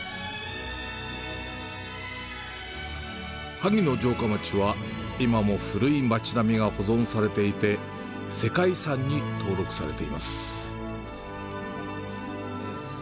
萩の城下町は今も古い町並みが保存されていて、世界遺産に登録されています。